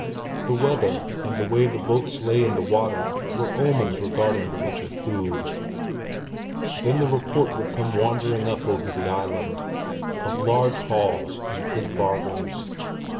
The weather and the way the boats lay in the water were omens regarding the winter food. Then the report would come wandering up over the island, of large hauls and good bargains.